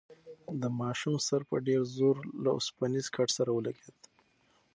د ماشوم سر په ډېر زور له اوسپنیز کټ سره ولگېد.